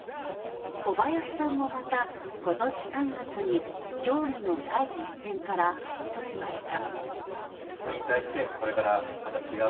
小林さんもまた、今年３月に競技の第一線から退きました。